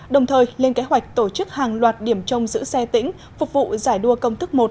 đồng thời lên kế hoạch tổ chức hàng loạt điểm trông giữ xe tỉnh phục vụ giải đua công thức một